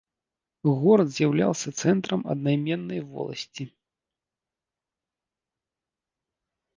Горад з'яўляўся цэнтрам аднайменнай воласці.